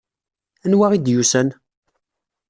Anwa i d-yusan?